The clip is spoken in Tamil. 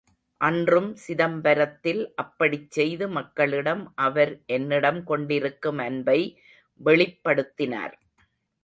அன்றும் சிதம்பரத்தில் அப்படிச் செய்து மக்களிடம் அவர் என்னிடம் கொண்டிருக்கும் அன்பை வெளிப்படுத்தினார்.